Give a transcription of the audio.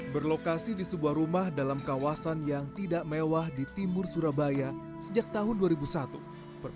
berlokasi di sebuah rumah dalam kawasan yang tidak mewah di timur surabaya sejak tahun dua ribu satu